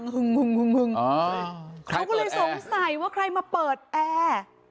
เขาก็เลยสงสัยว่าใครมาเปิดแอร์